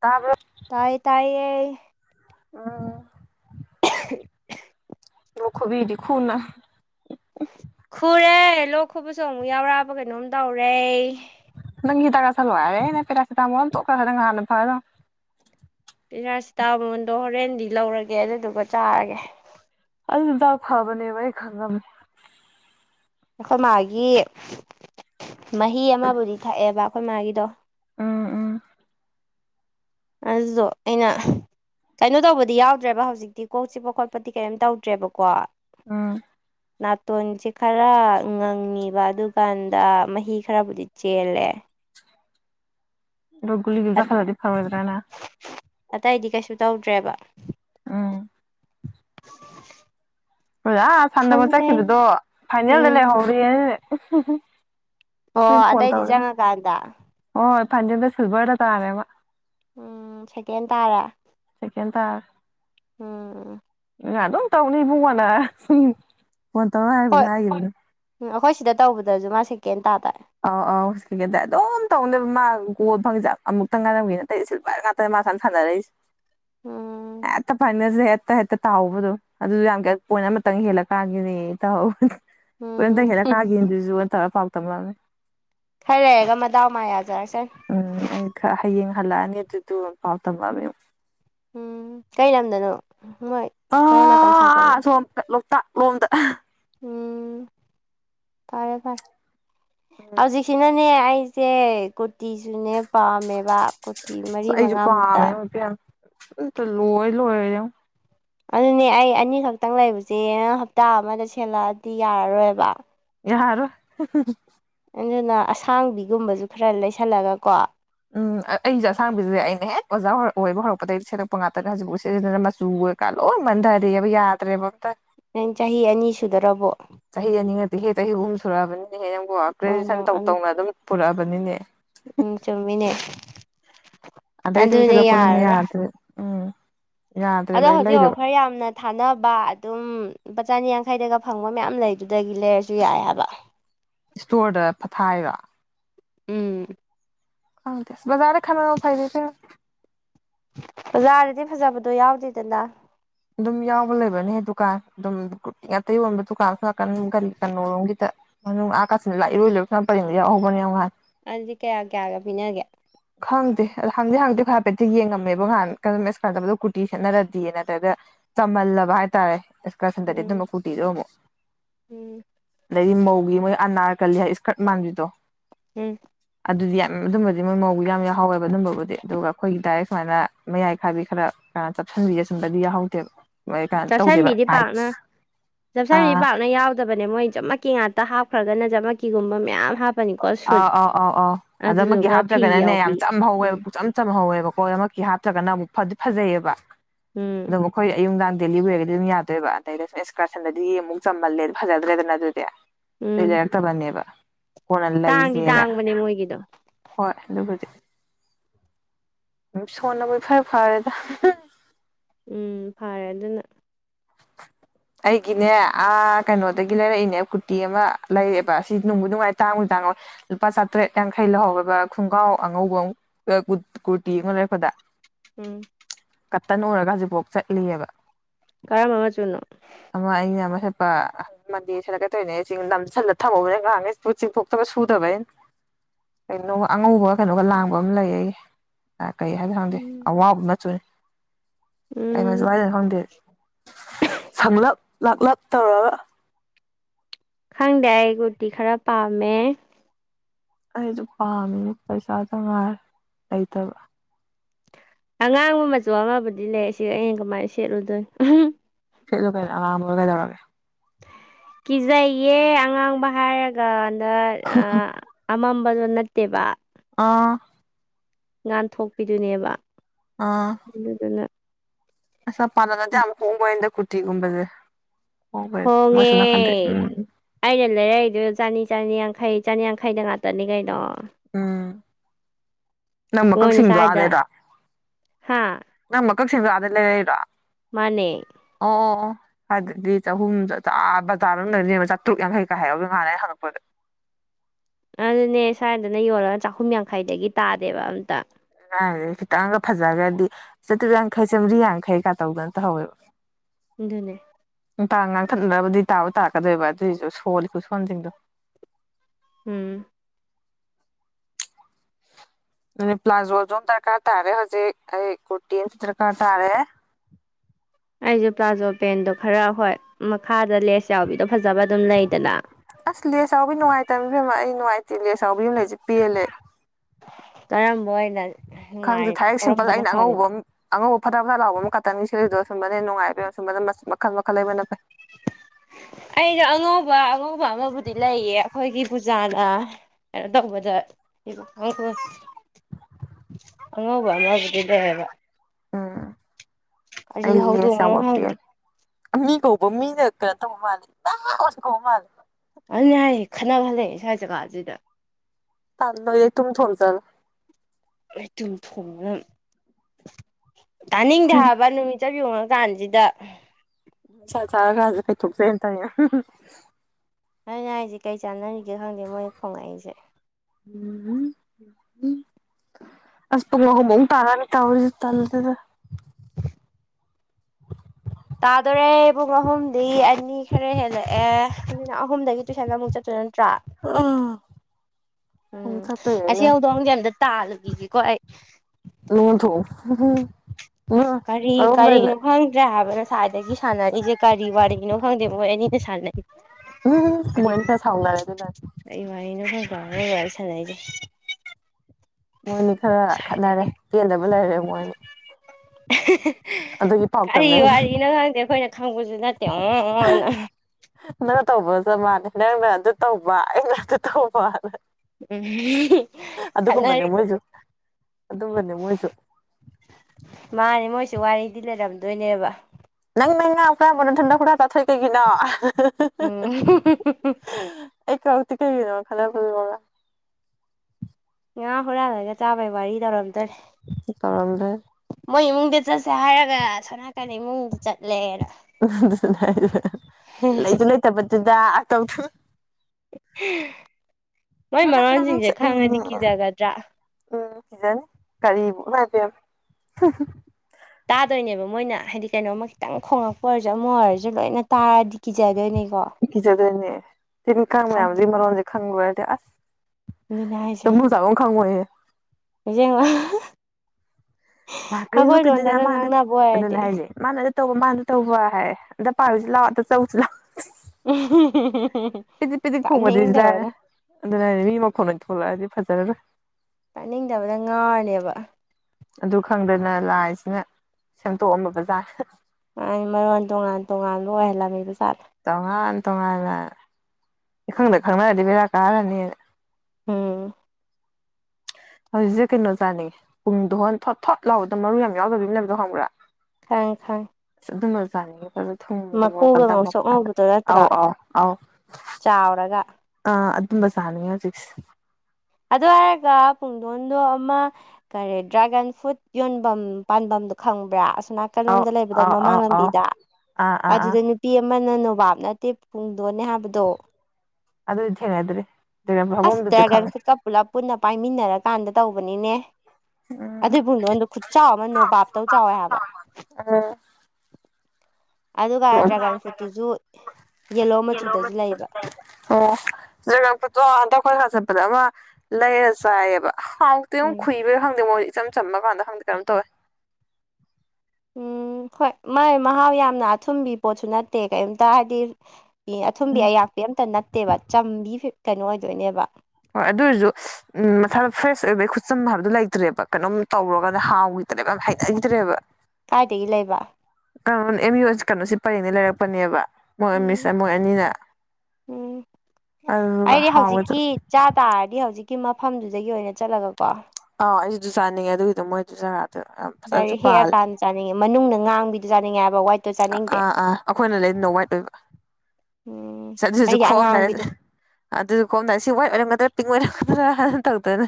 ꯇꯥꯕꯔꯣ ꯇꯥꯏ ꯇꯥꯏꯌꯦ ꯑ [inaudible] ꯂꯣꯛ ꯈꯨꯕꯤꯔꯤ ꯈꯨ ꯅꯪ ꯈꯨꯔꯦ ꯂꯣꯛ ꯈꯨꯕꯁꯨ ꯑꯃꯨꯛ ꯌꯥꯎꯔꯛꯑꯕ ꯀꯩꯅꯣꯝ ꯇꯧꯔꯦ ꯅꯪ ꯍꯤꯗꯥꯛ ꯆꯥꯁꯤꯂꯣ ꯍꯥꯢꯔꯦ ꯄꯦꯔꯥꯁꯤꯇꯥꯃꯣꯜ ꯑꯃ ꯇꯣꯛ ꯆꯥꯂꯤꯂꯗꯤ ꯉꯍꯥꯟꯅ ꯐꯔꯗꯧꯅꯤ ꯄꯦꯔꯥꯁꯤꯇꯥꯃꯣꯜ ꯗꯣ ꯍꯣꯔꯦꯟꯗꯤ ꯂꯧꯔꯒꯦ ꯑꯗꯨꯗꯨꯒ ꯆꯥꯔꯒꯦ ꯑꯗꯨꯗꯨꯝ ꯆꯥꯎ ꯐꯕꯅꯦꯕ ꯑꯩ ꯈꯪꯉꯝꯅꯦ ꯑꯩꯈꯣꯏ ꯃꯥꯒꯤ ꯃꯍꯤ ꯑꯃꯕꯨꯗꯤ ꯊꯛꯑꯦꯕ ꯑꯩꯈꯣꯏ ꯃꯥꯒꯤꯗꯣ ꯎꯝ ꯎꯝ ꯑꯗꯨꯗꯣ ꯑꯩꯅ ꯀꯩꯅꯣ ꯇꯧꯕꯗꯤ ꯌꯥꯎꯗ꯭ꯔꯦꯕ ꯍꯧꯖꯤꯛꯇꯤ ꯀꯣꯛ ꯆꯤꯛꯄ ꯈꯣꯠꯄꯗꯤ ꯀꯔꯤꯝ ꯇꯧꯗ꯭ꯔꯦꯕꯀꯣ ꯎꯝ ꯅꯥꯇꯣꯟꯁꯦ ꯈꯔ ꯉꯪꯉꯤꯕ ꯑꯗꯨꯀꯥꯟꯗ ꯃꯍꯤ ꯈꯔꯕꯨꯗꯤ ꯆꯦꯜꯂꯦ ꯑꯗꯣ ꯒꯨꯂꯤꯒꯗꯨ ꯆꯥꯁꯜꯂꯗꯤ ꯐꯔꯣꯏꯗ꯭ꯔꯅ ꯑꯇꯩꯗꯤ ꯀꯩꯁꯨ ꯇꯧꯗ꯭ꯔꯦꯕ ꯎꯝ ꯑꯥ ꯁꯥꯟꯅꯕ ꯈꯪꯗꯦ ꯆꯠꯈꯤꯕꯗꯣ ꯐꯥꯏꯅꯦꯜꯗ ꯎꯝ ꯂꯩꯍꯧꯔꯦ ꯑꯣ [unintelligible] ꯐꯣꯟ ꯑꯇꯩꯗꯤ ꯇꯧꯔꯛꯑꯦ ꯆꯪꯉꯀꯥꯟꯗ ꯍꯣꯏ ꯐꯥꯏꯅꯦꯜꯗ ꯁꯤꯜꯚꯔꯗ ꯇꯥꯔꯦꯃꯥ ꯎꯝ ꯁꯦꯀꯦꯟ ꯇꯥꯔꯦ ꯁꯦꯀꯦꯟ ꯎꯝ ꯅꯪ ꯑꯗꯨꯝ ꯇꯧꯅꯤ ꯏꯕꯨꯡꯉꯣ ꯅ ꯁꯨꯝ ꯐꯣꯟ ꯇꯧꯔ ꯍꯣꯏ ꯍꯥꯏꯕꯨꯗꯤ ꯍꯥꯏꯈꯤꯕꯅꯤ ꯎꯝ ꯑꯈꯣꯏ ꯁꯤꯗ ꯇꯧꯕꯗꯁꯨ ꯃꯥ ꯁꯦꯀꯦꯟ ꯇꯥꯗꯥꯏ ꯑꯧ ꯑꯧ ꯁꯤꯀꯦꯟ ꯇꯥꯏ ꯑꯗꯨꯝ ꯇꯧꯅꯤꯕ ꯃꯥ ꯒꯣꯜ ꯐꯪꯉꯤꯁꯦ ꯑꯃꯨꯛꯇ ꯉꯥꯏꯔꯝꯒꯤ ꯑꯇꯩꯗꯤ ꯁꯤꯜꯚꯔ ꯉꯥꯛꯇ ꯃꯥ ꯁꯨꯃꯥꯏ ꯁꯥꯟꯅꯔꯛꯏꯁꯦ ꯎꯝ ꯍꯦꯛꯇ ꯐꯥꯏꯅꯜꯁꯦ ꯍꯦꯛꯇ ꯍꯦꯛꯇ ꯇꯥꯍꯧꯕꯗꯨꯝ ꯑꯗꯨꯁꯨ ꯌꯥꯝ ꯀꯩ ꯄꯣꯏꯟ ꯑꯃꯇꯪ ꯍꯦꯜꯂ ꯀꯥꯒ꯭ꯔꯦꯌꯦ [unintelligible] ꯄꯣꯏꯟ ꯎꯝ ꯑꯝꯇꯪ ꯍꯦꯜꯂ ꯀꯥꯒꯤ ꯗꯨꯁꯨꯅ ꯇꯧꯔ ꯄꯥꯎ ꯇꯝꯃꯛꯑꯝꯃꯦ ꯈꯔ ꯂꯩꯔꯒ ꯃꯗꯥꯎ ꯃꯥꯏ ꯌꯥꯖꯔꯛꯆꯅꯤ ꯎꯝ ꯑꯩ ꯈꯔ ꯍꯌꯦꯡ ꯍꯜꯂꯛꯑꯅꯤ ꯑꯗꯨꯗꯨ ꯄꯥꯎ ꯇꯝꯃꯛꯑꯝꯃꯦ ꯎꯝ ꯀꯩ ꯂꯝꯗꯅꯣ ꯃꯣꯏ ꯑꯣ ꯀꯔꯣꯝ ꯅꯥꯀꯟ ꯑꯥ ꯁꯥꯏꯠꯇꯅꯣ ꯑꯁꯣꯝ ꯂꯣꯛꯇꯥꯛ ꯂꯣꯝꯗ ꯎꯝ ꯐꯔꯦ ꯐꯔꯦ ꯍꯧꯖꯤꯛ ꯁꯤꯅꯅꯦ ꯑꯩꯁꯦ ꯀꯨꯔꯇꯤꯁꯨꯅꯦ ꯄꯥꯝꯃꯦꯕ ꯀꯨꯔꯣꯇꯤ ꯑꯁ ꯃꯔꯤ ꯑꯩꯁꯨ ꯃꯉꯥꯃꯨꯛꯇ ꯄꯥꯝꯃꯦ ꯏꯕꯦꯝꯃ ꯂꯣꯏ ꯂꯣꯏꯔ ꯑꯗꯨꯅꯦ ꯑꯩ ꯑꯅꯤ ꯈꯛꯇꯪ ꯂꯩꯕꯁꯦ ꯍꯞꯇꯥ ꯑꯃꯗ ꯁꯦꯂꯛꯑꯗꯤ ꯌꯥꯔꯔꯣꯏꯕ ꯌꯥꯔꯔꯣꯢ ꯑꯗꯨꯅ ꯑꯁꯥꯡꯕꯤꯒꯨꯝꯕꯁꯨ ꯈꯔ ꯂꯩꯁꯜꯂꯒꯀꯣ ꯎꯝ ꯑꯩꯁꯦ ꯑꯁꯥꯡꯕꯤꯕꯁꯤꯁꯦ ꯑꯩꯅ ꯍꯦꯛ ꯑꯣꯖꯥ ꯑꯣꯏꯕ ꯍꯧꯔꯛꯄꯗꯒꯤ ꯁꯦꯠꯂꯛꯄ ꯉꯥꯛꯇꯅꯦ ꯍꯧꯖꯤꯛꯐ ꯁꯦꯗꯅ ꯃꯆꯨ ꯀꯜ ꯑꯣꯏ ꯃꯟꯗꯔꯤꯕ ꯌꯥꯗ꯭ꯔꯦꯕꯗ ꯅꯪ ꯆꯍꯤ ꯑꯅꯤ ꯁꯨꯗꯔꯕꯣ ꯆꯍꯤ ꯑꯅꯤꯉꯛꯇꯤ ꯍꯦ ꯆꯍꯤ ꯑꯍꯨꯝ ꯁꯨꯔꯛꯑꯕꯅꯤꯅꯦꯍꯦ ꯅꯪꯕꯨ ꯒ꯭ꯔꯦꯖꯨꯑꯦꯁꯟꯧ ꯎꯝ ꯇꯧꯅ ꯑꯗꯨꯝ ꯄꯨꯔꯛꯑꯕꯅꯤꯅꯦ ꯎꯝ ꯆꯨꯝꯃꯤꯅꯦ ꯑꯗꯩ ꯁ ꯑꯗꯨꯅꯦ ꯆꯂꯄꯗꯨꯅꯤ ꯌꯥꯔꯔꯣꯏ ꯌꯥꯗ ꯎꯝ ꯑꯗꯣ ꯌꯥꯗ꯭ꯔꯦꯕ ꯑꯩ ꯍꯧꯖꯤ ꯂꯩꯗꯕ ꯑꯣꯐꯔ ꯌꯥꯝꯅ ꯊꯥꯅꯕ ꯑꯗꯨꯝꯄꯥ ꯆꯅꯤ ꯌꯥꯡꯈꯩꯗꯒ ꯐꯪꯕ ꯃꯌꯥꯝ ꯂꯩꯗꯨꯗꯒꯤ ꯂꯩꯔꯁꯨ ꯌꯥꯏ ꯍꯥꯏꯕ ꯏꯁꯇꯣꯔꯗ ꯐꯊꯥꯏꯔꯣ ꯎꯝ ꯈꯪꯗꯦ ꯕꯖꯥꯔꯗꯩ ꯈꯜꯂꯣ ꯑꯃꯗꯨꯅ ꯐꯩ ꯑꯗꯨꯅ ꯕꯖꯥꯔꯗꯗꯤ ꯐꯖꯕꯗꯣ ꯌꯥꯎꯗꯦꯗꯅ ꯑꯗꯨꯝ ꯌꯥꯎꯕ ꯂꯩꯕꯅꯦ ꯗꯨꯀꯥꯟ ꯑꯗꯨꯝ ꯀꯨꯔꯇꯤ ꯉꯥꯛꯇ ꯌꯣꯟꯕ ꯗꯨꯀꯥꯟ ꯈꯔ ꯀꯔꯤ ꯀꯩꯅꯔꯣꯝꯒꯤꯗ ꯃꯅꯨꯡꯥꯁꯤꯗ ꯂꯥꯛꯏꯔꯣꯏ ꯂꯣꯏꯄꯔꯤꯡꯗ ꯌꯥꯎꯍꯧꯕꯅꯦ ꯌꯥꯝꯥꯏ ꯑꯗꯨꯗꯤ ꯀꯌꯥ ꯀꯌꯥꯒ ꯄꯤꯅꯒꯦ ꯈꯪꯗꯦ ꯑ ꯍꯪꯗꯦ ꯍꯪꯗꯦ ꯈ ꯍꯥꯏꯐꯦꯠꯇ ꯌꯦꯡꯉꯝꯃꯦꯕ ꯉꯍꯥꯟ ꯀꯩꯅꯣꯦꯁ ꯈꯥꯟꯗꯕꯗ ꯀꯨꯔꯇꯤ ꯁꯦꯠꯅꯔꯗꯤꯦ ꯅꯠꯇ꯭ꯔꯗ ꯆꯝꯍꯜꯂꯕ ꯍꯥꯏꯇꯥꯔꯦ ꯑꯦꯁꯀꯔꯁꯟꯗꯗꯤ ꯎꯝ ꯑꯗꯨꯝ ꯑꯃ ꯀꯨꯇꯤꯗꯣ ꯑꯃꯨꯛ ꯎꯝ ꯑꯗꯩꯗꯤ ꯃꯧꯒꯤ ꯃꯣꯏ ꯑꯅꯥꯔ ꯀꯜꯂꯤ ꯍꯥꯏ ꯏꯁꯀꯔꯠ ꯃꯥꯟꯕꯤꯗꯣ ꯎꯝ ꯑꯗꯨꯗꯤ ꯌꯥꯝ ꯑꯗꯨꯝꯕꯗꯤ ꯃꯣꯏ ꯃꯧꯒꯤ ꯌꯥꯝ ꯌꯥꯎꯧꯋꯦꯕ ꯑꯗꯨꯝꯕꯕꯨꯗꯤ ꯑꯗꯨꯒ ꯑꯩꯈꯣꯏꯒꯤ ꯗꯥꯏꯔꯦꯛ ꯁꯨꯃꯥꯏꯅ ꯃꯌꯥꯏ ꯈꯥꯏꯕꯤ ꯈꯔ ꯀ ꯆꯞꯁꯤꯟꯕꯤ ꯆꯁꯤꯟꯕꯗꯤ ꯌꯥ ꯠꯇ ꯆꯥꯛꯁꯟꯕꯤꯗꯤ ꯄꯥꯛꯅ ꯆꯞꯁꯟꯕꯤ ꯑꯥ ꯄꯥꯛꯅ ꯌꯥꯎ ꯅꯦ ꯃꯣꯏ ꯖꯃꯀꯤ ꯉꯥꯛꯇ ꯍꯥꯞꯈ꯭ꯔꯒꯅ ꯖꯃꯀꯤꯒꯨꯝꯕ ꯃꯌꯥꯝ ꯍꯥꯞ ꯑꯧ ꯑꯧ ꯑꯧ ꯑꯥꯎ ꯑꯗꯨꯗꯃꯛꯀꯤ ꯐꯤ ꯍꯥꯞꯇ꯭ꯔꯒꯅꯅꯦ ꯌꯥꯝ ꯌꯥꯎꯕꯤ ꯆꯝ ꯍꯧꯋꯦꯕ ꯎꯝ ꯄꯨꯡꯆꯝ ꯆꯝꯍꯧꯋꯦꯕ ꯀꯣ ꯂꯣꯢꯃꯛꯀꯤ ꯍꯥꯞꯇ꯭ꯔꯒꯅ ꯑꯃꯨꯛ ꯐꯖꯩꯑꯦꯕ ꯎꯝ ꯑꯗꯣ ꯃꯈꯣꯏ ꯑꯌꯨꯛ ꯅꯨꯡꯗꯥꯡꯒꯤ ꯗꯦꯂꯤ ꯋꯦꯔꯒꯗꯤ ꯑꯗꯨꯝ ꯌꯥꯗꯣꯏꯕ ꯑꯗꯩꯗ ꯁꯨꯝ ꯑꯦꯁꯀꯔꯁꯟꯗꯗꯤ ꯑꯃꯨꯛ ꯆꯝꯃꯜꯂꯦ ꯐꯖꯗ꯭ꯔꯦꯗꯅ ꯑꯗꯨꯗꯤ ꯎꯝ ꯏꯂꯔꯇꯕꯟꯅꯦꯕ ꯇꯥꯡꯗꯤ ꯇꯥꯡꯕꯅꯦ ꯃꯣꯏꯒꯤꯗꯣ ꯍꯣꯏ ꯑꯗꯨꯕꯨꯗꯤ ꯎ ꯁꯣꯟꯅꯕꯕꯨꯣꯏ ꯐꯔꯦ ꯐꯔꯦꯗ ꯎꯝ ꯐꯔꯦ ꯑꯗꯨꯅ ꯑꯩꯒꯤꯅꯦ ꯑꯥ ꯀꯩꯅꯣꯗꯒꯤ ꯂꯩꯔꯛꯏꯅꯦ ꯀꯨꯔꯇꯤ ꯑꯃ ꯂꯩꯌꯦꯦꯕ ꯁꯤ ꯅꯨꯡꯕꯨ ꯅꯨꯡꯉꯥꯏ ꯇꯥꯡꯕꯨ ꯇꯥꯡꯉꯣꯏ ꯂꯨꯄꯥ ꯆꯥꯇ꯭ꯔꯦꯠ ꯌꯥꯡꯈꯩ ꯂꯧꯍꯧꯑꯦꯕ ꯈꯣꯡꯒ꯭ꯔꯥꯎ ꯑꯉꯧꯕ ꯑꯃ ꯀꯨꯔꯇꯤ ꯑꯃ ꯂꯩꯔꯛꯄꯗ ꯎꯝ ꯀꯇꯟ ꯑꯣꯏꯔꯒ ꯍꯧꯖꯤꯛꯐꯥꯎ ꯆꯠꯂꯤꯑꯕ ꯀꯔꯝ ꯃꯃ ꯆꯅꯣ ꯑꯃ ꯑꯩꯅ ꯑꯃ ꯁꯠꯄ ꯃꯟꯗꯤꯔ ꯁꯔꯛ ꯆꯠꯇꯣꯢꯅꯦ ꯑꯩꯁꯦ ꯅꯝꯁꯤꯜꯂ ꯊꯝꯍꯧꯕ ꯉꯥꯡꯍꯥꯟꯈꯩ ꯆꯤꯡꯊꯣꯛꯇꯕ ꯁꯨꯗꯕꯩꯩ ꯀꯩꯅꯣ ꯑꯉꯧꯕ ꯀꯩꯅꯣꯒ ꯂꯥꯡꯕ ꯑꯃ ꯂꯩ ꯑꯩꯒꯤ ꯀꯩ ꯍꯥꯏꯕꯅꯣ ꯈꯪꯗꯦ ꯎꯝ ꯑꯋꯥꯕ ꯃꯆꯨꯅꯤ ꯀꯩ ꯃꯆꯨ ꯍꯥꯏꯗꯣꯏꯅꯣ ꯈꯪꯗꯦ ꯁꯝꯂꯞ ꯂꯥꯛꯂꯞ ꯇꯧꯔꯒ ꯈꯪꯗꯦ ꯑꯩ ꯀꯨꯔꯇꯤ ꯈꯔ ꯄꯥꯝꯃꯦ ꯑꯩꯁꯨ ꯄꯥꯝꯃꯤꯅꯤ ꯄꯩꯁꯥꯁꯦ ꯉꯥꯏꯔ ꯂꯩꯇꯕ ꯑꯉꯥꯡꯕ ꯃꯆꯨ ꯑꯃꯕꯨꯗꯤ ꯂꯩ ꯁꯤ ꯑꯩꯅ ꯀꯃꯥꯏꯅ ꯁꯦꯠꯂꯨꯗꯣꯏꯅꯣ ꯁꯦꯠꯂꯨ ꯀꯩꯅꯣ ꯑꯉꯥꯡꯕꯗꯣ ꯀꯩꯗꯧꯔꯒꯦ ꯀꯤꯖꯩꯌꯦ ꯑꯉꯥꯡꯕ ꯍꯥꯏꯔꯒꯟꯗ ꯑꯥ ꯑꯃꯝꯕꯗꯣ ꯅꯠꯇꯦꯕ ꯑꯥ ꯉꯥꯟꯊꯣꯛꯄꯤꯗꯨꯅꯦꯕ ꯑꯥ ꯑꯗꯨꯗꯨꯅ ꯑꯁꯆꯥꯄꯥꯂꯝꯗꯗꯤ ꯌꯥꯝ ꯍꯣꯡꯕꯣꯅꯤꯗ ꯀꯨꯔꯇꯤꯒꯨꯝꯕꯖꯦ ꯍꯣꯡꯕꯩꯗꯤ ꯃꯣꯏ ꯍꯣꯡꯉꯦ ꯑꯁꯣꯝ ꯅꯥꯀꯟꯗ ꯎꯝ ꯎꯝ ꯑꯩꯅ ꯂꯩꯔꯛꯏꯗꯨ ꯆꯅꯤ ꯆꯅꯤ ꯌꯥꯡꯈꯩ ꯆꯅꯤꯌꯥꯡꯈꯩꯗ ꯉꯥꯛꯇꯅꯤ ꯀꯩꯅꯣ ꯎꯝ ꯅꯪ ꯃꯣꯏꯅ ꯃꯀꯛꯁꯤꯡꯗꯣ ꯁ꯭ꯋꯥꯏꯗ ꯑꯗꯩꯔꯣ ꯍꯥ ꯅꯪ ꯃꯀꯛꯁꯤꯡꯗꯣ ꯑꯥꯗꯩ ꯂꯩꯔꯜꯏꯔꯣ ꯃꯥꯅꯦ ꯑꯣ ꯑꯣ ꯑꯣ ꯑꯗꯨꯗꯤ ꯆꯍꯨꯝ ꯖꯖꯥ ꯕꯖꯥꯔ ꯔꯣꯝꯗꯗꯤ ꯏꯕꯦꯝꯃꯥ ꯆꯥꯇ꯭ꯔꯨꯛ ꯌꯥꯡꯈꯩ ꯀꯥꯏ ꯍꯥꯏꯔꯏ ꯅꯍꯥꯟꯅ ꯑꯩ ꯍꯪꯉꯛꯄꯗ ꯑꯗꯨꯅꯦ ꯁ꯭ꯋꯥꯏꯗꯅ ꯌꯣꯜꯂꯒ ꯆꯥꯍꯨꯝ ꯌꯥꯡꯈꯩꯗꯒꯤ ꯇꯥꯗꯦꯕ ꯑꯝꯇ ꯀꯗꯥꯏꯗꯩ ꯈꯤꯇꯪꯒ ꯐꯖꯈꯔꯗꯤ ꯆꯥꯇ꯭ꯔꯨꯛ ꯌꯥꯡꯈꯩ ꯆꯝꯃꯔꯤ ꯌꯥꯡꯈꯩꯒ ꯇꯧꯗꯅ ꯇꯧꯍꯧꯋꯦꯕ ꯑꯗꯨꯅꯦ ꯅꯨꯡꯇꯥꯡ ꯉꯥꯡꯊꯠꯅꯔꯕꯨꯗꯤ ꯇꯥꯕꯨꯗꯤ ꯇꯥꯛꯔꯀꯗꯣꯏꯕ ꯑꯗꯨꯏꯁꯨ ꯁꯣꯜꯂꯤ ꯈꯨ ꯁꯣꯟꯁꯤꯡꯗꯣ ꯎꯝ ꯑꯗꯨꯅꯦ ꯄ꯭ꯂꯥꯖꯣꯗꯨꯃ ꯗꯔꯀꯥꯔ ꯇꯥꯔꯦ ꯍꯧꯖꯤꯛ ꯑꯩ ꯀꯨꯔꯇꯤ ꯑꯃꯁꯨ ꯗꯔꯀꯥꯔ ꯇꯥꯔꯦ ꯑꯩꯁꯦ ꯄ꯭ꯂꯥꯖꯣ ꯄꯦꯟꯗꯣ ꯈꯔ ꯍꯣꯏ ꯃꯈꯥꯗ ꯂꯦꯁ ꯌꯥꯎꯕꯤꯗꯣ ꯐꯖꯕ ꯑꯗꯨꯝ ꯂꯩꯗꯅ ꯑꯁ ꯂꯦꯁ ꯌꯥꯥꯎꯕꯤ ꯅꯨꯡꯉꯥꯏꯇꯕꯅꯤ ꯏꯕꯦꯝꯃ ꯑꯩ ꯅꯨꯡꯉꯥꯏꯇꯦ ꯂꯦꯁ ꯌꯥꯥꯎꯕꯤ ꯑꯃ ꯂꯩꯁꯦ ꯄꯦꯜꯂꯦ ꯀꯔꯝꯕ ꯑꯣꯏꯅ ꯈꯪꯗꯦ ꯅꯨꯡꯉꯥꯏꯔꯤꯕ ꯊꯥꯏꯔꯦꯛ ꯁꯤꯝꯄꯜ ꯀꯔꯝꯕꯅ ꯑꯩꯅ ꯑꯉꯧꯕ ꯐꯔꯤꯕ ꯑꯝ ꯑꯉꯧꯕ ꯐꯗ ꯐꯗ ꯂꯥꯎꯕ ꯑꯃ ꯀꯥꯇꯟꯒꯤ ꯁꯦꯂꯤꯗꯣ ꯑꯁꯨꯝꯕꯅ ꯍꯦꯟꯅ ꯅꯨꯡꯉꯥꯏ ꯏꯕꯦꯝꯃ ꯑꯁꯨꯝꯕꯗ ꯃꯈꯜ ꯃꯈꯜ ꯂꯩꯕꯅ ꯐꯩ ꯑꯩꯩꯅ ꯑꯉꯧꯕ ꯑꯉꯧꯕ ꯑꯃꯕꯨꯗꯤ ꯂꯩꯌꯦ ꯑꯩꯈꯣꯏꯒꯤ ꯄꯨꯖꯥꯅ ꯀꯩꯅꯣ ꯇꯧꯕꯗ ꯀꯩꯕ [unintelligible] ꯑꯉꯧꯕ ꯑꯃꯕꯨꯗꯤ ꯂꯩ ꯍꯥꯏꯕ ꯎꯝ ꯀꯔꯤ ꯑꯩ ꯂꯦꯁ ꯍꯧꯗꯣꯡꯅꯣ ꯌꯥꯎꯕ ꯈꯪꯗꯦ ꯄꯦꯜꯂꯦ ꯑꯃꯤ ꯀꯧꯕ ꯃꯤꯅ ꯀꯩꯅꯣ ꯇꯧꯕ ꯃꯥꯜꯂꯦ ꯏꯃꯥꯎ ꯑꯅꯥ ꯀꯧꯕ ꯃꯥꯜꯂꯦ ꯑꯗꯨꯅꯦ ꯌꯥꯏ ꯈꯠꯅꯍꯜꯂꯛꯑꯦ ꯁꯨꯋꯥꯏ ꯖꯒꯥꯖꯤꯁꯤꯗ ꯇꯥꯟꯗꯣꯂꯦ ꯇꯨꯝ ꯊꯣꯝꯆꯜꯂꯣ ꯑꯩ ꯇꯨꯝꯊꯣꯡꯂꯝ ꯇꯅꯤꯡꯗꯦ ꯍꯥꯏꯕ ꯅꯨꯃꯤꯠ ꯆꯞ ꯌꯨꯡꯉꯥ ꯀꯥꯟꯁꯤꯗ ꯁꯥ ꯁꯥꯔꯥꯀꯟꯁꯤꯗ ꯀꯩ ꯊꯣꯛꯆꯩ ꯑꯅ ꯇꯧꯔꯤꯅꯣ ꯑꯗꯨꯅꯦ ꯍꯥꯏꯁꯦ ꯀꯩ ꯆꯥꯟꯅꯔꯤꯒꯦ ꯈꯪꯗꯦ ꯃꯣꯏ ꯈꯣꯡꯉꯛꯏꯁꯦ [unintelligible] ꯑꯁ ꯄꯨꯡ ꯑꯍꯨꯝ ꯑꯃꯨꯛ ꯇꯥꯔꯛꯑꯅꯤ ꯇꯧꯔꯤꯁꯦ ꯇꯜꯂꯤꯗ ꯇꯥꯗꯣꯔꯦ ꯄꯨꯡ ꯑꯍꯨꯝꯗꯤ ꯑꯅꯤ ꯈꯔ ꯍꯦꯜꯂꯛꯑꯦ [unintelligible] ꯑꯍꯨꯝꯗꯒꯤ ꯇꯨꯏꯁꯟ ꯑꯃꯨꯛ ꯆꯠꯇꯣꯏ ꯅꯠꯇ꯭ꯔꯥ ꯎꯝ ꯑꯃꯨꯛ ꯑꯁꯤ ꯆꯠꯇꯣꯏꯅꯤꯅꯦ ꯍꯧꯗꯣꯡꯖꯦ ꯑꯝꯇ ꯇꯥꯜꯂꯨꯒꯤꯒꯦꯀꯣ ꯑꯩ ꯅꯣꯡꯅ ꯊꯣꯝꯃꯣ ꯀꯔꯤ ꯀꯔꯤꯅꯣ ꯈꯪꯗ꯭ꯔꯦ ꯍꯥꯏꯕ ꯉꯁꯥꯏꯗꯒꯤ ꯁꯥꯟꯅꯔꯤꯁꯦ ꯀꯔꯤ ꯋꯥꯔꯤꯅꯣ ꯈꯪꯗꯦ ꯃꯣꯏ ꯑꯅꯤꯅ ꯁꯥꯟꯅꯩ ꯎꯝ ꯃꯣꯏꯅꯤ ꯈꯔ ꯁꯥꯎꯅꯔꯦ ꯑꯗꯨꯅ ꯀꯩ ꯋꯥꯔꯤꯅꯣ ꯈꯪꯗꯦ ꯃꯣꯏꯅ ꯋꯥꯔꯤ ꯁꯥꯟꯅꯩꯁꯦ ꯃꯣꯏꯅꯤ ꯈꯔ ꯈꯠꯅꯔꯦ ꯉꯁꯥꯏꯗꯒꯤ ꯄꯦꯟꯗꯕ ꯂꯩꯔꯦ ꯃꯣꯏ ꯑꯅꯤ ꯀꯔꯤ ꯄꯥꯎꯇꯝꯅꯩꯅꯦ ꯋꯥꯔꯥꯅꯣ ꯈꯪꯗꯦ ꯑꯩꯈꯣꯏꯅ ꯈꯪꯕꯁꯨ ꯅꯠ ꯇꯅ ꯅꯪ ꯇꯧꯕ ꯆꯞ ꯃꯥꯥꯟꯂꯦ ꯅꯪꯅ ꯑꯗꯨ ꯇꯧꯕ ꯑꯩꯅ ꯑꯗꯨ ꯇꯧꯕ ꯎꯝ ꯑꯗꯨꯒꯨꯝꯕꯅꯦ ꯈꯠꯅꯔꯤꯅꯦ ꯃꯣꯏꯁꯨ ꯑꯗꯨꯒꯝꯕꯅꯦ ꯃꯣꯏꯁꯨ ꯃꯥꯅꯤ ꯃꯣꯏꯁꯨ ꯋꯥꯔꯤꯗꯤ ꯂꯩꯔꯝꯗꯣꯏꯅꯦꯕ ꯅꯪ ꯃꯉ ꯑꯣ ꯃ ꯊꯟ ꯈ ꯍꯥ ꯇꯇꯥ ꯊꯣꯏ ꯀꯩꯒꯤꯅꯣ ꯎꯝ ꯑꯩ ꯎꯇꯤ ꯀꯩ ꯀꯅꯣ ꯈꯥꯟ ꯄꯨꯕ ꯉꯥ ꯍꯨꯔꯥꯜꯂꯒ ꯆꯥꯕꯩ ꯋꯥꯔꯤ ꯇꯧꯔꯝꯗꯔꯦ ꯀꯔꯝꯗ ꯃꯣꯏ ꯏꯃꯨꯡꯗ ꯆꯠꯁꯦ ꯍꯥꯏꯔꯒ ꯁꯣꯅꯥꯀꯟꯗ ꯏꯃꯨꯡꯗꯤ ꯆꯠꯂꯦꯅ ꯔ ꯂꯩꯁꯨ ꯂꯩꯇꯕꯗꯨꯗ ꯃꯣꯏ ꯃꯅꯝ ꯅꯝꯃꯤ ꯃꯔꯣꯟꯁꯤꯡꯁꯦ ꯈꯪꯉꯗꯤ ꯆꯠꯂꯤꯅꯦ ꯀꯤꯖꯒꯗ꯭ꯔꯥ ꯎꯝ ꯐꯤꯖꯅꯤ ꯀꯔꯤꯕꯨ ꯉꯥꯏꯕꯕ ꯇꯥꯗꯣꯏꯅꯦꯕ ꯃꯣꯏꯅ ꯍꯥꯏꯗꯤ ꯀꯩꯅꯣꯝꯃ ꯈꯤꯇꯪ ꯈꯣꯉꯛꯄ ꯑꯣꯏꯔꯁꯨ ꯑꯃ ꯑꯣꯏꯔꯁꯨ ꯂꯣꯏꯅ ꯇꯥꯔꯗꯤ ꯀꯤꯖꯗꯣꯏꯅꯦꯀꯣ ꯄꯤꯖꯗꯣꯏꯅꯦ ꯁꯤꯅꯤ ꯀꯥꯡ ꯃꯌꯥꯝꯁꯤ ꯃꯔꯣꯟꯁꯦ ꯈꯪꯂꯨꯔꯗꯤ ꯑꯁ ꯑꯗꯨꯅꯦ ꯇꯃꯛ ꯆꯒꯣ ꯈꯥꯎ ꯑꯩꯍꯦ ꯍ ꯀꯩꯅꯣ ꯅꯨꯡꯇꯤꯗꯤꯅ ꯑꯩꯈꯣꯏꯔꯣꯝꯗꯒ ꯃꯥꯅ ꯉꯥꯡꯅꯕ ꯑꯣꯏꯔꯗꯤ ꯑꯗꯨꯅꯦ ꯍꯥꯏꯁꯦ ꯃꯥꯅ ꯑꯗꯨꯗ ꯇꯧꯕ ꯃꯥꯅꯗ ꯇꯧꯕ ꯍꯥꯏꯌꯦ ꯑꯗ ꯄꯥꯣꯏꯁꯨ ꯂꯥꯛꯑꯣ ꯑꯗ ꯆꯧꯁꯨ ꯂꯥꯛꯑꯣ [unintelligible] ꯄꯤꯗꯤꯛ ꯄꯤꯗꯤꯛ ꯈꯣꯡꯕꯗꯗꯤ ꯂꯥꯛꯑꯦ ꯇꯥꯅꯤꯡꯗꯕꯅ ꯑꯗꯨꯅꯗꯤ ꯃꯤ ꯃꯈꯣꯟ ꯊꯣꯛꯂꯛꯑꯗꯤ ꯐꯖꯔꯔꯣꯏ ꯄꯥꯅꯤꯡꯗꯕꯗ ꯉꯥꯔꯅꯦꯕ ꯑꯗꯨ ꯈꯪꯗꯅ ꯂꯥꯏꯁꯤꯅ ꯁꯦꯝꯗꯣꯛꯑꯝꯕ ꯕꯖꯥꯔꯁꯤ ꯑ ꯃꯔꯣꯟ ꯇꯣꯉꯥꯟ ꯇꯣꯉꯥꯟꯕ ꯑꯣꯏꯍꯜꯂꯝꯃꯤꯗꯣ ꯆꯠꯂꯦ ꯇꯣꯉꯥꯟ ꯇꯣꯉꯥꯟꯅ ꯏꯈꯪꯗ ꯈꯪꯅꯔꯗꯤ ꯕꯦꯔꯥ ꯀꯥꯔꯅꯤ ꯎꯝ ꯍꯧꯖꯤꯛꯁꯦ ꯀꯩꯅꯣꯖꯥꯠꯅꯤ ꯄꯨꯡꯗ ꯍꯣꯟ ꯊꯣꯠ ꯊꯣꯠ ꯂꯥꯎꯕꯗ ꯃꯔꯨ ꯌꯥꯝ ꯌꯥꯎꯗꯕꯤꯝ ꯂꯩꯕꯗꯣ ꯍꯪꯕ꯭ꯔꯥ ꯊꯦꯡ ꯈꯪ ꯁꯤ ꯑꯗꯨꯝ ꯃꯖꯥ ꯑꯅꯤ ꯑꯗꯨ ꯃꯀꯨꯒ ꯊꯨꯝꯒꯨꯝꯗ ꯉꯧꯁꯣꯛ ꯉꯧꯕꯗꯣ ꯑꯥꯎ ꯅꯠꯇ꯭ꯔꯣ ꯑꯥꯎ ꯑꯥꯎ ꯆꯥꯎꯔꯒ ꯑ ꯑꯗꯨꯝꯕ ꯁꯥꯥꯅꯤꯡꯉ ꯍꯧꯖꯤꯛꯁꯦ ꯑꯗꯨ ꯍꯥꯏꯔꯒ ꯄꯨꯡꯗꯣꯟꯗꯣ ꯑꯃ ꯀꯔꯤꯦ ꯗ꯭ꯔꯥꯒꯟ ꯐ꯭ꯔꯨꯠ ꯌꯣꯟꯐꯝ ꯄꯥꯟꯗꯣ ꯈꯪꯕ꯭ꯔꯥ ꯑ ꯁꯅꯥ ꯑꯧ ꯀꯜꯂꯣꯝꯗ ꯂꯩꯕꯗꯣ ꯑꯧ ꯃꯃꯥꯡ ꯑꯧ ꯑꯧ ꯂꯝꯕꯤꯗ ꯑꯥ ꯑꯥ ꯑꯥ ꯑꯗꯨꯗ ꯅꯨ ꯅꯨꯄꯤ ꯑꯃꯅ ꯅꯣꯕꯥꯞ ꯅꯠꯇꯦ ꯈꯨꯡꯗꯣꯟꯅꯦ ꯍꯥꯏꯕꯗꯣ ꯑꯗꯨ ꯏꯦꯉ ꯍꯥꯏꯗ꯭ꯔꯦ ꯑꯁ ꯗ꯭ꯔꯦꯒꯟ ꯐꯨꯠꯀ ꯄꯨꯂꯞ ꯄꯨꯟꯅ ꯄꯥꯏꯃꯤꯟꯅꯔ ꯀꯥꯟꯗ ꯇꯧꯕꯅꯤꯅꯦ ꯎꯝ [inaudible] ꯑꯗꯨꯏꯕꯨꯨꯡ ꯂꯉꯣꯟꯗꯣ ꯈꯨꯠ ꯆꯥꯎ ꯑꯃ ꯅꯣꯕꯥꯞꯇꯧ ꯆꯥꯎꯋꯦ ꯍꯥꯏꯕ ꯑꯝ [inaudible] ꯑꯗꯨꯒ ꯗ꯭ꯔꯥꯒꯟ ꯐ꯭ꯔꯨꯠꯇꯨꯁꯨ ꯌꯦꯂꯣ ꯃꯆꯨꯗꯁꯨ ꯂꯩꯕ ꯑꯣꯉꯛꯄꯠꯇꯣ ꯍꯟꯗꯈꯣꯏ ꯁꯥ ꯆꯠꯄꯗ ꯑꯃ ꯂꯩꯔ ꯆꯥꯏꯌꯦꯕ ꯎꯝ ꯀꯨꯝꯨꯏꯕ꯭ꯔ ꯈꯪꯦ ꯃꯣꯏ ꯏꯆꯝ ꯀꯥꯟꯗ ꯈꯪꯗꯦ ꯀꯩꯅꯝ ꯇꯧꯋꯦ ꯎꯝ ꯍꯣꯏ ꯃꯥ ꯃꯍꯥꯎ ꯌꯥꯝꯅ ꯑꯊꯨꯝꯕꯤ ꯄꯣꯠꯁꯨ ꯅꯠꯇꯦ ꯀꯩꯝꯇ ꯍꯥꯏꯗꯤ ꯑꯦ ꯑꯊꯨꯝꯕꯤ ꯑꯌꯥꯛꯄꯤ ꯑꯝꯇ ꯅꯠꯇꯦꯕ ꯆꯝꯕꯤ ꯀꯩꯅꯣ ꯑꯣꯏꯗꯣꯏꯅꯦꯕ ꯍꯣꯏ ꯑꯗꯨꯔꯁꯨ ꯎꯝ ꯃꯊꯥꯗ ꯐ꯭ꯔꯦꯁ ꯑꯣꯏꯕꯩ ꯈꯨꯠꯆꯝ ꯍꯥꯏꯕꯗꯨꯣ ꯂꯩꯇ꯭ꯔꯦꯕ ꯀꯩꯅꯣꯝ ꯇꯧꯔꯒꯗ ꯍꯥꯎꯈꯤꯗ꯭ꯔꯦꯕ ꯌꯥꯝ ꯍꯩꯅꯈꯤꯗ꯭ꯔꯦꯕ ꯀꯗꯥꯥꯏꯏꯗꯒꯤ ꯂꯩꯕ ꯀꯣ ꯑꯦꯝ ꯌ ꯀꯩꯅꯣꯁꯤꯦ ꯄꯔꯦꯡꯅ ꯂꯩꯔꯛꯄꯅꯦꯕ ꯃꯣꯏ ꯎꯝ ꯑꯃꯁꯅ ꯃꯣꯏ ꯑꯅꯤꯅ ꯎꯝ ꯑꯗꯨꯒ ꯑꯩꯗꯤ ꯍꯥꯎꯕꯗ ꯍꯧꯖꯤꯛꯀꯤ ꯆꯥ ꯇꯥꯔꯗꯤ ꯍꯧꯖꯤꯛꯀꯤ ꯃꯐꯝꯗꯨꯗꯒꯤ ꯑꯣꯏꯅ ꯆꯠꯂꯒꯀꯣ ꯑꯥꯎ ꯑꯩꯁꯨ ꯆꯥꯅꯤꯡꯉꯦ ꯑꯗꯨꯒꯤꯗꯨꯣ ꯃꯣꯏꯗꯨꯁꯨ ꯆꯣ ꯗꯥꯏꯔꯦꯛ ꯍꯦꯛꯑꯀꯥꯟꯗ ꯆꯥꯅꯤꯡꯉꯦ ꯃꯅꯨꯡꯗ ꯉꯥꯡꯕꯤꯗꯨ ꯆꯥꯅꯤꯡꯉꯦ ꯍꯥꯏꯕ ꯋꯥꯏ ꯑꯥ ꯑꯥ ꯑꯩꯈꯣꯏꯅ ꯂꯩꯗꯅ ꯋꯥꯏꯠ ꯑꯣꯏꯕ ꯎꯝ ꯆꯖ ꯁꯖꯨ ꯑꯩꯗꯤ ꯈꯣꯝ ꯇꯔꯦꯁꯦ ꯑꯉꯥꯡꯕꯤꯗꯣ ꯑꯗꯨ ꯀꯣꯝꯅ ꯁꯤ ꯋꯥꯏꯠ ꯑꯣꯏꯔꯝꯒꯗ꯭ꯔꯥ ꯄꯤꯡ ꯑꯣꯏꯔꯝꯒꯗ꯭ꯔꯥꯅ ꯇꯧꯗꯣꯏꯅ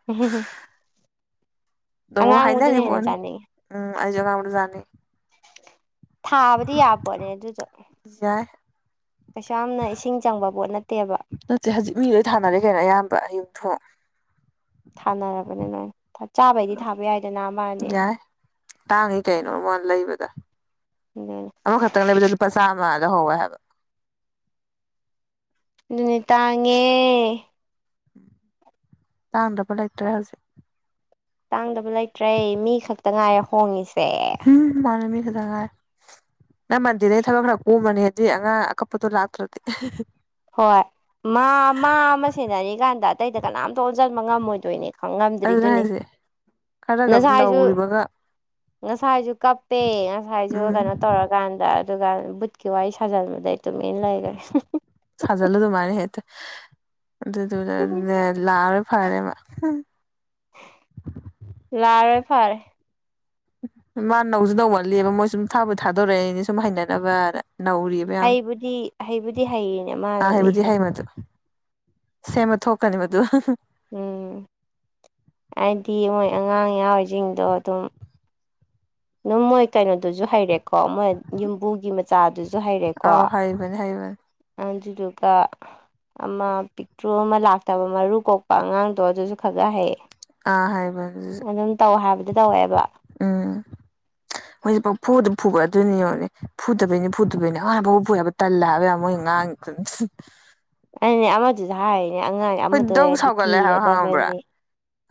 [inaudible] ꯇꯃꯕꯨ ꯑꯉꯥꯡꯕꯗꯨꯅ ꯈꯥꯏꯅꯅꯤ ꯍꯦꯟꯅ ꯄꯅꯦ ꯆꯥꯅꯤꯡꯉꯦ ꯎ ꯑꯩꯖꯒ ꯌꯥꯅꯤ ꯊꯥꯕꯗꯤ ꯌꯥꯕꯣꯅꯦ ꯑꯗꯨꯗ ꯌꯥꯏ ꯀꯩꯁꯨꯥ ꯌꯥꯝꯅ ꯏꯁꯤꯡ ꯆꯪꯕ ꯄꯣꯠ ꯅꯠꯇꯦꯕ ꯁ ꯍꯧꯖꯤꯛ ꯃꯤ ꯂꯣꯏ ꯊꯥꯅꯔꯦ ꯀꯩꯅꯣ ꯑꯌꯥꯝꯕ ꯑꯌꯨꯛ ꯊꯣꯛꯣꯛ ꯊꯥꯅꯔꯕꯅꯤ ꯅꯣꯏ ꯆꯥꯕꯩꯗꯤ ꯊꯥꯕ ꯌꯥꯏꯗꯅ ꯑꯃꯅꯤ ꯌꯥꯏ ꯇꯥꯡꯉꯤ ꯀꯩꯅꯣ ꯋꯥ ꯂꯩꯕꯗ ꯑꯗꯨꯅꯤ ꯑꯃꯈꯛꯇꯪ ꯂꯩꯕꯗ ꯂꯨꯄꯥ ꯆꯥꯝꯃꯗ ꯍꯧꯋꯦ ꯍꯥꯏꯕ ꯑꯗꯨꯅꯤ ꯇꯥꯡꯉꯦ ꯇꯥꯡꯗꯕꯂ ꯏꯇ꯭ꯔꯦ ꯍꯧꯖꯤꯦ ꯇꯥꯡꯗꯕ ꯂꯩꯇ꯭ꯔꯦ ꯃꯤ ꯈꯛꯇ ꯉꯥꯏꯔꯦ ꯍꯣꯡꯉꯁꯦ ꯎ ꯃꯥꯃꯤ ꯊꯖꯉꯥꯏ ꯅ ꯃꯗꯤꯔ ꯊꯕꯛ ꯈꯔ ꯎꯃꯅꯦꯗꯤ ꯑꯉꯥꯡ ꯑꯀꯞꯄꯗꯣ ꯂꯥꯛꯇ꯭ꯔꯗꯤ ꯍꯣꯏ ꯃꯥ ꯃꯥ ꯑꯃ ꯁꯦꯟꯅꯔꯤꯀꯥꯟꯗ ꯑꯇꯩꯗ ꯀꯅꯥꯝꯇ ꯑꯣꯟꯁꯤꯟꯕ ꯉꯝꯃꯣꯏꯗꯣꯏꯅꯦ ꯈꯪ ꯑꯗꯨꯅ ꯉꯝꯗ꯭ꯔꯤꯗꯨꯅꯤ ꯍꯥꯏꯁꯦ ꯈꯔꯒ ꯉꯁꯥꯏꯥꯏꯁꯨ ꯅꯧꯔꯤꯕꯒ ꯉꯁꯥꯏꯁꯨ ꯀꯞꯄꯦ ꯉꯁꯥꯏꯁꯨ ꯎꯝ ꯀꯩꯅꯣ ꯇꯧꯔꯀꯥꯟꯗ ꯑꯗꯨꯒ ꯕꯨꯠꯀꯤ ꯋꯥꯔꯤ ꯁꯥꯖꯟꯕꯗꯩ ꯇꯨꯃꯤꯟꯅ ꯂꯩꯈ꯭ꯔꯦ ꯁꯥꯖꯜꯂꯨ ꯑꯗꯨꯃꯥꯏꯅ ꯍꯦꯛꯇ ꯑꯗꯨꯗꯨꯅꯅꯦ ꯂꯥꯛꯑꯔꯦ ꯐꯔꯦꯕ ꯎ ꯂꯥꯔꯣꯏ ꯐꯔꯦ ꯃꯥ ꯅꯧꯁꯨ ꯅꯧꯃꯜꯂꯦꯕ ꯃꯣꯏ ꯁ ꯁꯨꯝ ꯊꯥꯕꯨ ꯊꯥꯗꯣꯔꯛ ꯑꯅꯦ ꯁꯨꯝ ꯍꯩꯅꯅꯕ ꯅꯧꯔꯤꯕ ꯌꯥꯝ ꯍꯩꯕꯨꯗꯤ ꯍꯩꯕꯨꯗꯤ ꯍꯩꯔꯤꯅꯦ ꯃꯥꯅꯕꯨ ꯍꯩ ꯍ ꯑꯗꯨ ꯁꯦꯝꯕ ꯊꯣꯛꯀꯅꯦꯕꯗꯨ ꯎꯝ ꯍꯥꯏꯗꯤ ꯃꯣꯏ ꯑꯉꯥꯡ ꯌꯥꯎꯔꯤꯁꯤꯡꯗꯣ ꯑꯗꯨꯝ ꯑꯗꯨꯝ ꯃꯣꯏ ꯀꯩꯅꯣꯗꯨꯁꯨ ꯍꯩꯔꯦꯀꯣ ꯃꯣꯏ ꯌꯨꯝꯕꯨꯒꯤ ꯃꯆꯥꯗꯨꯁꯨ ꯍꯩꯔꯦꯀꯣ ꯥꯏꯕ ꯑꯖꯤꯗꯨꯒ ꯑꯃ ꯄꯤꯛꯇ꯭ꯔꯣ ꯑꯃ ꯂꯥꯛꯇꯕ ꯃꯔꯨ ꯀꯣꯛꯄ ꯑꯉꯥꯡꯗꯣ ꯑꯗꯨꯁꯨ ꯈꯒ ꯍꯩꯌꯦ ꯑꯥ ꯍꯩꯕꯅꯤ ꯑꯗꯨꯁꯨ ꯑꯗꯨꯝ ꯇꯧ ꯍꯥꯏꯕꯗꯤ ꯇꯧꯋꯦꯕ ꯎꯝ ꯃꯣꯏꯁꯦ ꯐꯨꯗ ꯐꯨꯕ ꯑꯗꯨꯣꯏꯅꯤꯅꯦ ꯐꯨꯗꯕꯩꯅꯤ ꯐꯨꯗꯕꯩꯅꯤ ꯉ ꯐꯥꯎꯕ ꯐꯨ ꯍꯥꯏꯕ ꯇꯜꯂꯦ ꯍꯥꯏꯕ ꯌꯥꯕ ꯃꯣꯏ ꯉꯥꯡ [inaudible] ꯑꯗꯨꯅꯦ ꯑꯃꯗꯨꯗ ꯍꯥꯏꯔꯤꯅꯦ ꯑꯉꯥꯡ ꯑꯃꯗ ꯗꯧ ꯑꯣꯏꯔꯗꯤ ꯁꯥꯎꯒꯠꯂꯦ ꯍꯥꯏꯕ ꯈꯪꯉꯕ꯭ꯔꯥ ꯀꯤꯔꯗꯕꯅꯤ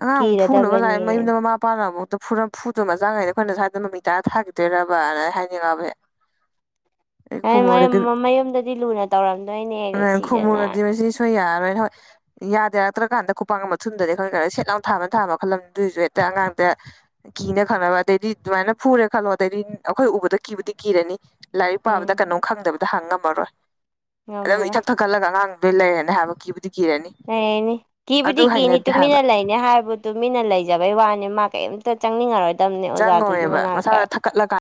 ꯑꯉꯥꯡ ꯑꯃꯨꯛ ꯐꯨꯅꯕ ꯂꯥꯛꯑꯦ ꯀꯤꯔꯗꯕꯅꯦ ꯃꯌꯨꯝꯗ ꯃꯃꯥꯄꯥꯅꯐꯥꯎꯗ ꯐꯨꯔ ꯐꯨꯠꯇꯣ ꯃꯆꯥꯉꯩꯩꯅ ꯑꯩꯈꯣꯏꯅ ꯁ꯭ꯋꯥꯏꯗ ꯃꯃꯤ ꯇꯥ ꯊꯥꯈꯤꯗꯣꯏꯔꯕꯅ ꯍꯥꯏꯅꯤꯡꯉꯕꯦ ꯃꯌꯨꯝꯗꯗꯤ ꯂꯨꯅ ꯇꯧꯔꯝꯗꯣꯏꯅꯦ ꯑ ꯅꯨꯡꯁꯤꯗꯅ ꯈꯨꯝꯃꯨꯔꯗꯤ ꯃꯁꯤ ꯁꯣꯏ ꯌꯥꯔꯣꯏꯅ ꯍꯣꯏ ꯌꯥꯗꯦꯔꯛꯇ꯭ꯔꯀꯥꯟꯗ ꯈꯨꯄꯥꯡ ꯃꯊꯨꯝꯗꯗꯤ ꯑꯩꯈꯣꯏ ꯈꯔ ꯁꯦꯠ ꯂꯥꯎ ꯊꯥꯕꯅ ꯊꯥ ꯃꯈꯜꯂꯝꯗꯨꯏꯁꯨ ꯍꯦꯛꯇ ꯑꯉꯥꯡꯗ ꯀꯤꯅ ꯈꯜꯂꯅꯕ ꯑꯗꯩꯗꯤ ꯑꯗꯨꯃꯥꯏꯅ ꯐꯨꯔꯦ ꯈꯜꯂꯣ ꯑꯗꯩꯗꯤ ꯑꯩꯈꯣꯏ ꯎꯕꯗ ꯀꯤꯕꯨꯗꯤ ꯀꯤꯔꯅꯤ ꯂꯥꯏꯔꯤꯛ ꯎꯝ ꯄꯥꯕꯗ ꯀꯩꯅꯣꯝ ꯈꯪꯗꯕꯗ ꯍꯪ ꯉꯝꯃꯔꯣꯏ ꯑꯗꯨ ꯉꯝꯃꯔꯣꯏ ꯏꯊꯛ ꯊ ꯀꯜꯂꯒ ꯑꯉꯥꯡꯗꯨꯗꯩ ꯂꯩꯔꯦ ꯍꯥꯏꯕ ꯀꯤꯕꯨꯗꯤ ꯀꯤꯔꯅꯤ ꯂꯩꯅꯤ ꯀꯤꯕꯨꯗꯤ ꯑꯗꯨ ꯀꯤꯅꯤ ꯍꯩꯅꯗꯦ ꯍꯥꯏꯕ ꯇꯨꯃꯤꯟꯅ ꯂꯩꯅꯤ ꯍꯥꯏꯕꯕꯨ ꯇꯨꯃꯤꯟꯅ ꯂꯩꯖꯕꯩ ꯋꯥꯅꯤ ꯃꯥ ꯀꯔꯤꯝꯇ ꯑ ꯆꯪꯅꯤꯡꯉꯔꯣꯏꯗꯕꯅꯦ ꯑꯣꯖꯥꯗꯨꯒꯤ ꯃꯅꯥꯛꯇ ꯀꯠꯂꯒ